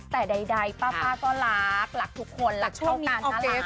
แต่ใดป้าก็รักรักทุกคนรักเท่ากันน่ารัก